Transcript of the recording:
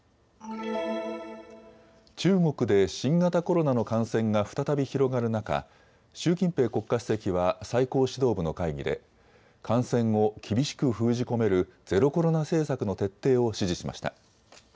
中国で新型コロナの感染が再び広がる中、習近平国家主席は最高指導部の会議で感染を厳しく封じ込めるゼロコロナ政策の徹底を指示しました。